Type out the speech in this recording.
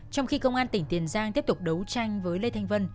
trong khi công an tỉnh tiền giang tiếp tục đấu tranh với lê thanh vân